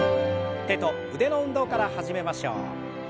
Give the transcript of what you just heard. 手と腕の運動から始めましょう。